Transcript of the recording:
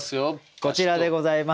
こちらでございます。